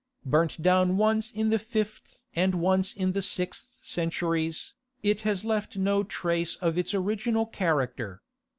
Burnt down once in the fifth and once in the sixth centuries, it has left no trace of its original character.